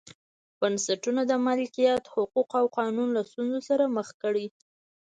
بنسټونو د مالکیت حقوق او قانون له ستونزو سره مخ کړي.